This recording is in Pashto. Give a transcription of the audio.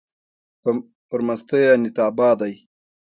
پر مستۍ انيتابا دی